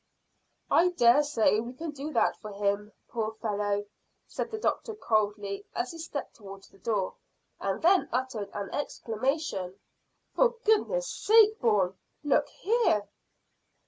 "I dare say we can do that for him, poor fellow," said the doctor coldly, as he stepped towards the door, and then uttered an exclamation. "For goodness' sake, Bourne, look here!"